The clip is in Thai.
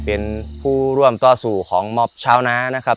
เป็นผู้ร่วมต่อสู่ของมอบชาวน้านะครับ